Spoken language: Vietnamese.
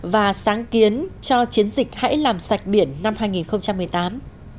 và sáng kiến cho chiến dịch hãy làm sạch biển năm hai nghìn một mươi tám